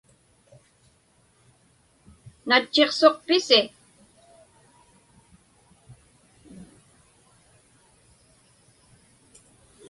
Natchiqsuqpisi?